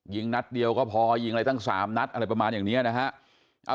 นัดเดียวก็พอยิงอะไรตั้ง๓นัดอะไรประมาณอย่างนี้นะฮะ